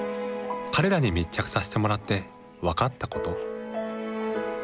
彼らに密着させてもらって分かったこと。